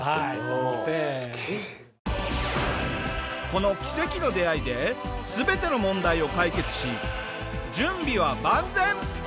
この奇跡の出会いで全ての問題を解決し準備は万全！